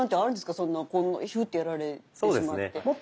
そんなヒュッとやられてしまって。